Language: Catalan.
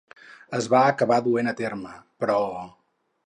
Es va acabar duent a terme, però?